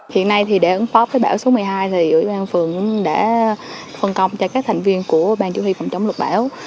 hiện nay thì để ứng phó với bão số một mươi hai thì ủy ban phường đã phân công cho các thành viên của bang chủ huy phòng chống lục bão